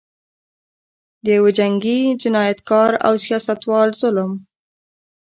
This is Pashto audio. د یوه جنګي جنایتکار او سیاستوال ظلم.